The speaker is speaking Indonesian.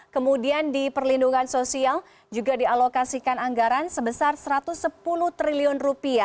kemudian di perlindungan sosial juga dialokasikan anggaran sebesar rp satu ratus sepuluh triliun